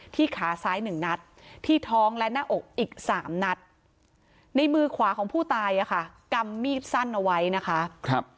ขาซ้าย๑นัดที่ท้องและหน้าอกอีก๓นัดในมือขวาของผู้ตายกำมีดสั้นเอาไว้นะคะ